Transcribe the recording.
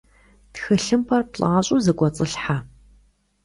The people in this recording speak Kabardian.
ТхылъымпӀэр плӀащӀэу зэкӀуэцӀылъхьэ.